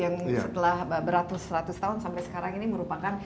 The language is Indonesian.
yang setelah beratus ratus tahun sampai sekarang ini merupakan